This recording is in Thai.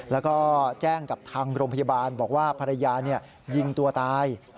แล้วก็แจ้งกับทางโรงพยาบาลบอกว่าภรรยายิงตัวตาย